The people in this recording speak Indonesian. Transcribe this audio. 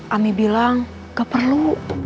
ami bilang gak perlu